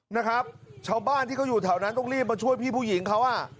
นะครับชาวบ้านที่เขาอยู่แถวนั้นต้องรีบมาช่วยพี่ผู้หญิงเขาอ่ะ